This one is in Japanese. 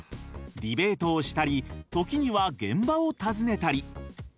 ディベートをしたり時には現場を訪ねたり。